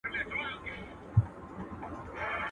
o زه په تمه، ته بېغمه.